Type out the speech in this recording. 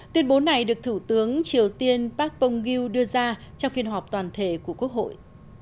tuyên bố này được thủ tướng triều tiên park pong gu đưa ra trong phiên họp toàn thể của quốc hội